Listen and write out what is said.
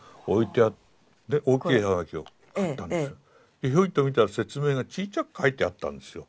でひょいと見たら説明がちっちゃく書いてあったんですよ。